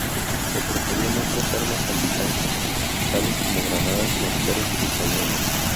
Se preferían otras armas antitanque, tales como granadas, morteros y cañones.